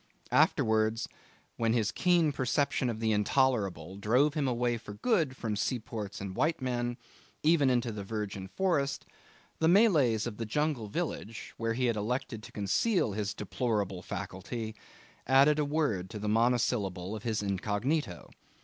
Afterwards, when his keen perception of the Intolerable drove him away for good from seaports and white men, even into the virgin forest, the Malays of the jungle village, where he had elected to conceal his deplorable faculty, added a word to the monosyllable of his incognito.